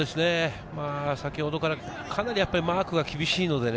先ほどからかなりマークが厳しいのでね。